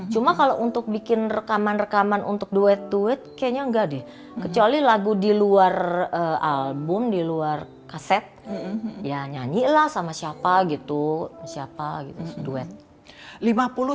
cuma kalau untuk bikin rekaman rekaman untuk duet tweet kayaknya enggak deh kecuali lagu di luar album di luar kaset ya nyanyi lah sama siapa gitu siapa gitu duet